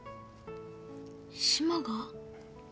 島が？